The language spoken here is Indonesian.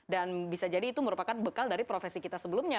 dan bisa jadi itu merupakan bekal dari profesi kita sebelumnya